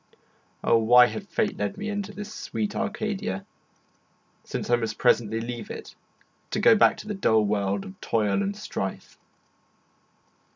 Ah, why had fate led me into this sweet Arcadia, since I must presently leave it to go back to the dull world of toil and strife.